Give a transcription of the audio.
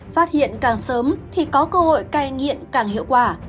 phát hiện càng sớm thì có cơ hội cai nghiện càng hiệu quả